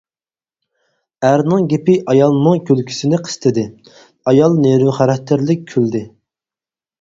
ئەرنىڭ گېپى ئايالنىڭ كۈلكىسىنى قىستىدى، ئايال نېرۋا خاراكتېرلىك كۈلدى.